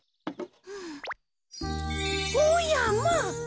おやまあ！